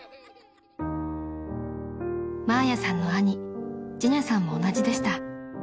［マーヤさんの兄ジェニャさんも同じでした］